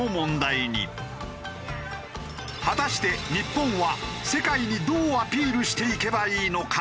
果たして日本は世界にどうアピールしていけばいいのか？